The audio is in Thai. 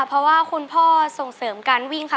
เพราะว่าคุณพ่อส่งเสริมการวิ่งค่ะ